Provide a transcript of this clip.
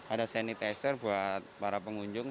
ada sanitizer buat para pengunjung